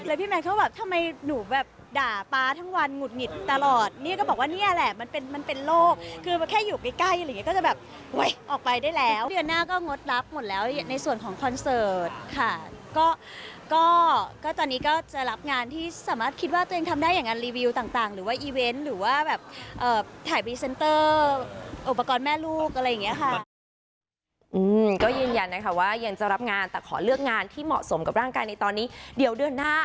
เลยพี่แมนเขาแบบทำไมหนูแบบด่าป๊าทั้งวันหงุดหงิดตลอดเนี่ยก็บอกว่าเนี่ยแหละมันเป็นมันเป็นโรคคือแบบแค่อยู่ใกล้ใกล้อะไรอย่างเงี้ยก็จะแบบเว้ยออกไปได้แล้วเดือนหน้าก็งดรับหมดแล้วในส่วนของคอนเซิร์ตค่ะก็ก็ก็ตอนนี้ก็จะรับงานที่สามารถคิดว่าตัวเองทำได้อย่างงานรีวิวต่างหรือว่าอีเว